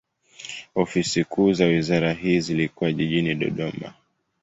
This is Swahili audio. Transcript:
Ofisi kuu za wizara hii zilikuwa jijini Dodoma.